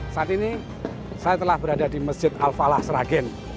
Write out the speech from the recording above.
saat ini saya telah berada di masjid al falah sragen